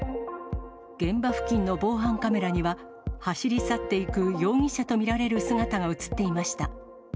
現場付近の防犯カメラには、走り去っていく容疑者と見られる姿が写っていました。